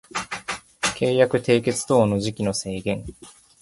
契約締結等の時期の制限